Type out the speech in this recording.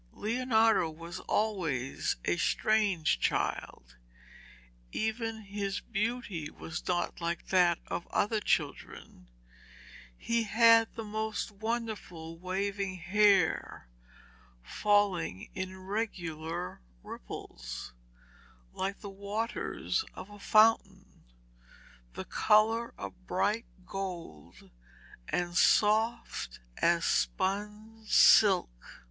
Leonardo was always a strange child. Even his beauty was not like that of other children. He had the most wonderful waving hair, falling in regular ripples, like the waters of a fountain, the colour of bright gold, and soft as spun silk.